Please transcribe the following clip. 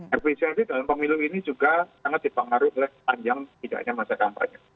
efisiensi dalam pemilu ini juga sangat dipengaruhi oleh panjang tidak hanya masa kampanye